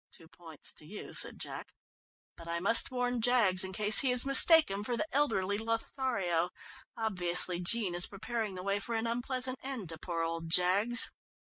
"Two points to you," said Jack, "but I must warn Jaggs, in case he is mistaken for the elderly Lothario. Obviously Jean is preparing the way for an unpleasant end to poor old Jaggs."